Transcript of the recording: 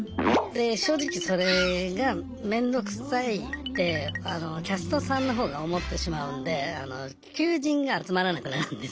正直それが面倒くさいってキャストさんの方が思ってしまうんで求人が集まらなくなるんです。